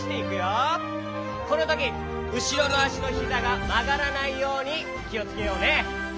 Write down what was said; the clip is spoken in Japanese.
このときうしろのあしのひざがまがらないようにきをつけようね。